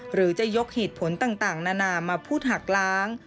หรือจะยกเหตุผลต่างนานามาพูดหักล้าง